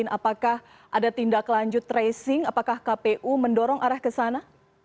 apakah ada tindak lanjut tracing apakah kpu mendorong arah ke sana